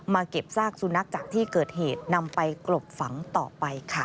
เก็บซากสุนัขจากที่เกิดเหตุนำไปกลบฝังต่อไปค่ะ